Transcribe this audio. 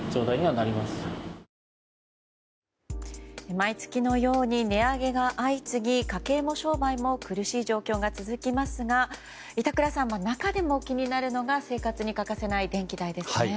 毎月のように値上げが相次ぎ家計も商売も苦しい状況が続きますが板倉さん、中でも気になるのが生活に欠かせない電気代ですね。